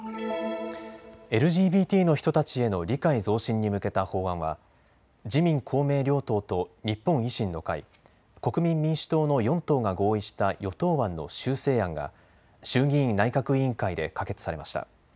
ＬＧＢＴの人たちへの理解増進に向けた法案は自民公明両党と日本維新の会、国民民主党の４党が合意した与党案の修正案が衆議院内閣委員会で可決されました。